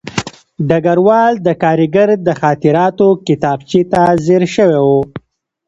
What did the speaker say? ډګروال د کارګر د خاطراتو کتابچې ته ځیر شوی و